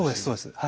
そうです。